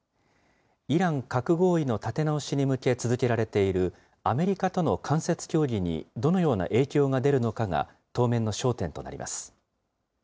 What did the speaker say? イラン核合意の立て直しに向け続けられているアメリカとの間接協議にどのような影響が出るのかが、当面の焦点となります。